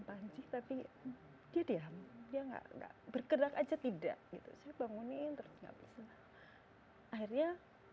panci tapi dia diam ya enggak bergerak aja tidak gitu sih bangunin terus ngabisin akhirnya